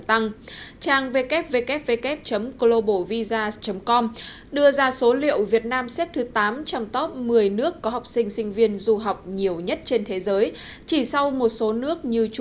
xin chào và hẹn gặp lại trong các video tiếp theo